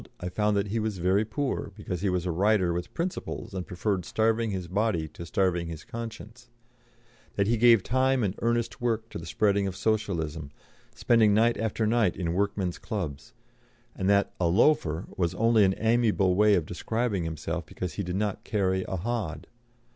I found that he was very poor, because he was a writer with principles and preferred starving his body to starving his conscience; that he gave time and earnest work to the spreading of Socialism, spending night after night in workmen's clubs; and that "a loafer" was only an amiable way of describing himself because he did not carry a hod.